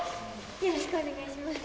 よろしくお願いします。